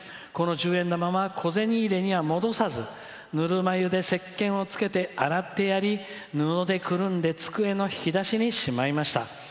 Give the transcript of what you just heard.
この十円玉は小銭入れには戻さずぬるま湯でせっけんをつけて洗ってやり布でくるんで、机の引き出しにしまいました。